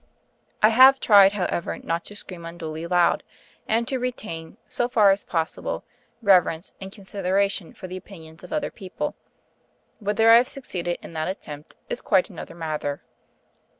I have tried, however, not to scream unduly loud, and to retain, so far as possible, reverence and consideration for the opinions of other people. Whether I have succeeded in that attempt is quite another matter.